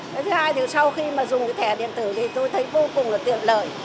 cái thứ hai thì sau khi mà dùng cái thẻ điện tử thì tôi thấy vô cùng là tiện lợi